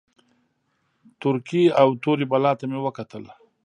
تورکي او تورې بلا ته مې وکتل.